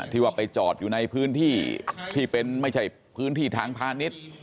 ที่ว่าไปจอดอยู่ในพื้นที่ที่เป็นไม่ใช่พื้นที่ทางพาณิชย์